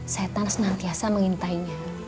setan senantiasa mengintainya